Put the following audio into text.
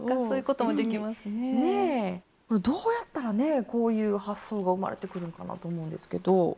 これどうやったらねこういう発想が生まれてくるんかなと思うんですけど。